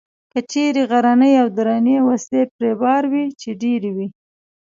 کچرې غرنۍ او درنې وسلې پرې بار وې، چې ډېرې وې.